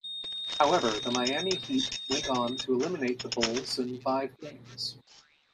However, the Miami Heat went on to eliminate the Bulls in five games.